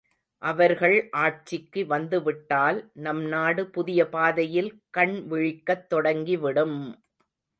அவர்கள் ஆட்சிக்கு வந்துவிட்டால், நம்நாடு புதிய பாதையில் கண் விழிக்கத் தொடங்கி விடும்!....